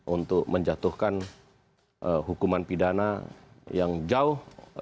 untuk menjatuhkan hukuman pidana yang jauh